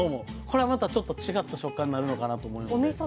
これはまたちょっと違った食感になるのかなと思うのでぜひ。